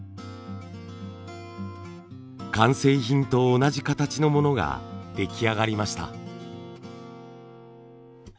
完成品と同じ形のものが出来上がりました。